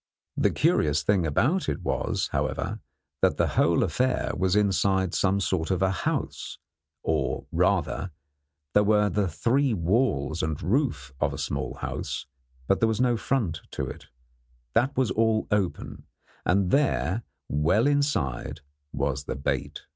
The curious thing about it was, however, that the whole affair was inside some sort of a house; or, rather, there were the three walls and roof of a small house, but there was no front to it that was all open; and there, well inside, was the bait.